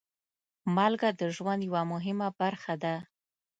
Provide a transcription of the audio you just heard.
مالګه د ژوند یوه مهمه برخه ده.